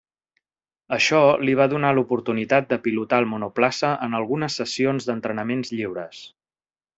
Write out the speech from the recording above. Això li va donar l'oportunitat de pilotar el monoplaça en algunes sessions d'entrenaments lliures.